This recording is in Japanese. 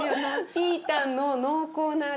ピータンの濃厚な味